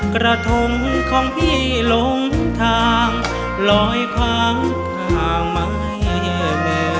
กระทงของพี่ลงทางลอยคว้างทางไม่แน่